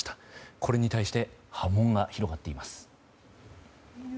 これに対して波紋が広がっています。